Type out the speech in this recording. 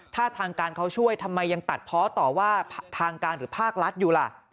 ถ้าทางการเขาช่วยทำไมยังตัดเพาะต่อว่าทางการหรือภาครัฐอยู่ล่ะ